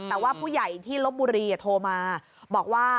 แต่ว่าผู้ใหญ่ที่ลบบุรีโทรมาบอกว่า